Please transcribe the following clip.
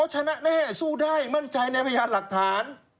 ชนะแน่สู้ได้มั่นใจในพยานหลักฐาน